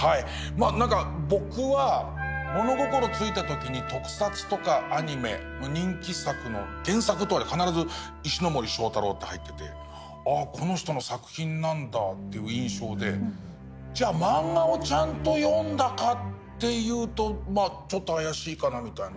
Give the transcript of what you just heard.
まあ何か僕は物心付いた時に特撮とかアニメの人気作の原作のとこに必ず「石森章太郎」って入っててああこの人の作品なんだという印象でじゃあマンガをちゃんと読んだかっていうとちょっと怪しいかなみたいな。